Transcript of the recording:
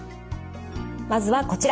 まずはこちら。